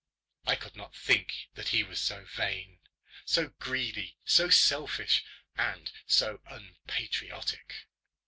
I could not think that he was so vain, so greedy, so selfish, and so unpatriotic.